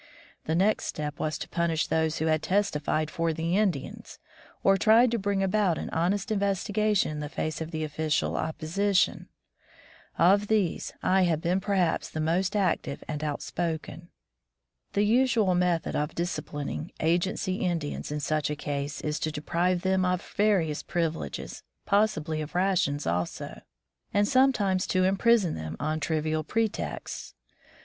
The next step was to punish those who had testified for the Indians or tried to bring about an honest investigation in the face of official 131 From the Deep Woods to Civilization opposition. Of these, I had been perhaps the most active and outspoken. The usual method of disciplining agency Indians in such a case is to deprive them of various privileges, possibly of rations also, and sometimes to imprison them on trivial pretexts.